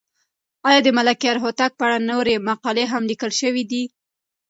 آیا د ملکیار هوتک په اړه نورې مقالې هم لیکل شوې دي؟